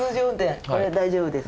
これは大丈夫ですか。